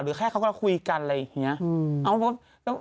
แค่เขาก็คุยกันอะไรอย่างนี้